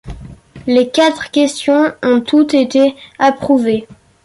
Les quatre questions ont toutes été approuvées.